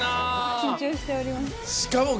緊張しております。